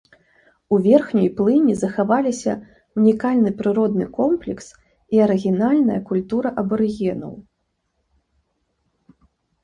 У верхняй плыні захаваліся ўнікальны прыродны комплекс і арыгінальная культура абарыгенаў.